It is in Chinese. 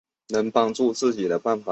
能帮助自己的办法